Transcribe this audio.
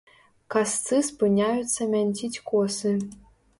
Касцы спыняюцца мянціць косы.